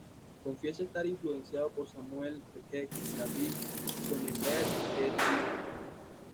Confiesa estar influenciado por Samuel Beckett, David Cronenberg y Terry Gilliam.